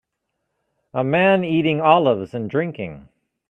A man eating olives and drinking.